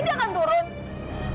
indi akan turun